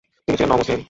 তিনি ছিলেন নও মুসলিম।